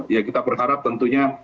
ya kita berharap tentunya